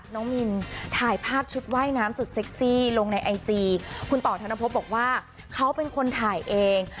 มินถ่ายภาพชุดว่ายน้ำสุดเซ็กซี่ลงในไอจีคุณต่อธนภพบอกว่าเขาเป็นคนถ่ายเอง